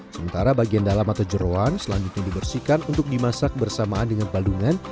sementara bagian dalam atau jerawan selanjutnya dibersihkan untuk dimasak bersamaan dengan badungan